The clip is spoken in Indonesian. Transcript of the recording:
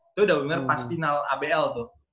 itu udah gue denger pas final abel tuh